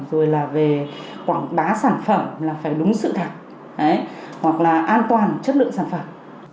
rồi là về quảng bá sản phẩm là phải đúng sự thật hoặc là an toàn chất lượng sản phẩm